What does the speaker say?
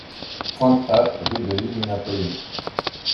trente A rue de l'Île Napoléon